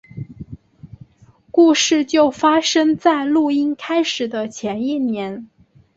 故事就发生在录音开始的前一年。